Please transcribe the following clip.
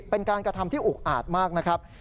เป็นการกระทำที่อุกอาจมากนะครับ